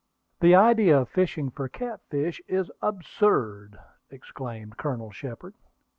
"The idea of fishing for catfish is absurd!" exclaimed Colonel Shepard.